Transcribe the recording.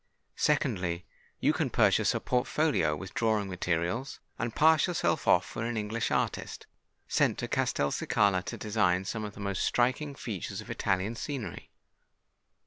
Secondly, you can purchase a portfolio with drawing materials, and pass yourself off for an English artist, sent to Castelcicala to design some of the most striking features of Italian scenery.